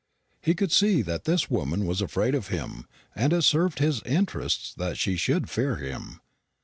He could see that this woman was afraid of him, and it served his interests that she should fear him.